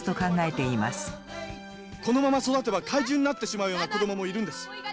このまま育てば怪獣になってしまうような子供もいるんです。